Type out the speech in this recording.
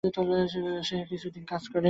শিক্ষা গ্রহণের শেষে তিনি কিছুদিন কাজ করেন।